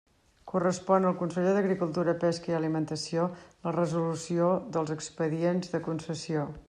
Correspon al conseller d'Agricultura, Pesca i Alimentació la resolució dels expedients de concessió.